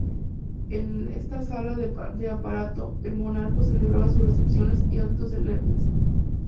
En esta sala de aparato el monarca celebraba sus recepciones y actos solemnes.